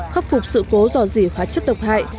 khắc phục sự cố dò dỉ hóa chất độc hại